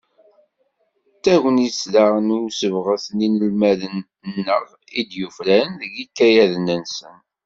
D tagnit, daɣen, i usebɣes n yinelmaden-nneɣ i d-yufraren deg yikayaden-nsen.